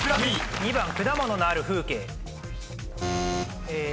２番果物のある風景。